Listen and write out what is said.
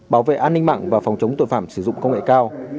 bảo vệ an ninh mạng và phòng chống tội phạm sử dụng công nghệ cao